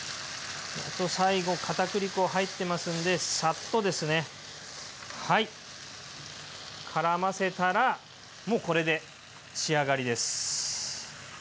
最後かたくり粉入ってますんでサッとですねはいからませたらもうこれで仕上がりです。